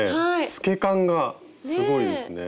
透け感がすごいですね。